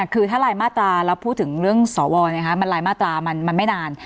คือถ้ารายมาตราแล้วพูดถึงเรื่องสวมันลายมาตรามันไม่นาน